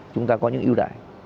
chúng ta có những ưu đại